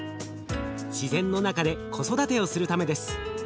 自然の中で子育てをするためです。